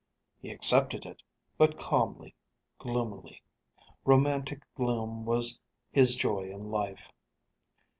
He accepted it, but calmly, gloomily. Romantic gloom was his joy in life.